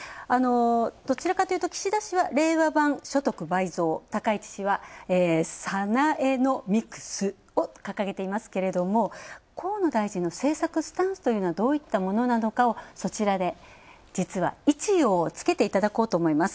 どちらかというと岸田氏は令和版所得倍増、高市氏はサナエノミクスを掲げていますけれど、河野大臣の政策スタンスというのはどういったものなのかをそちらで実は位置をつけていただこうと思います。